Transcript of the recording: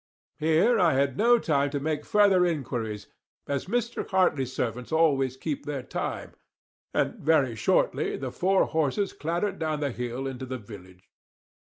Here I had no time to make further inquiries, as Mr. Hartley's servants always keep their time; and very shortly the four horses clattered down the hill into the village.